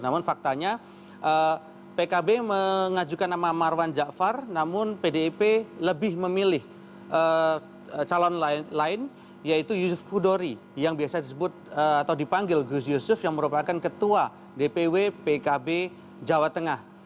namun faktanya pkb mengajukan nama marwan jakfar namun pdip lebih memilih calon lain yaitu yusuf hudori yang biasa disebut atau dipanggil gus yusuf yang merupakan ketua dpw pkb jawa tengah